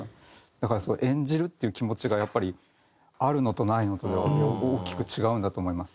だから演じるっていう気持ちがやっぱりあるのとないのとでは大きく違うんだと思います。